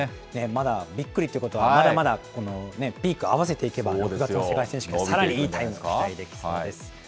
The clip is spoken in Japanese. まだびっくりということは、まだまだピーク合わせていけば、６月の世界選手権、さらにいいタイム期待できそうです。